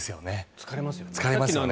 疲れますよね。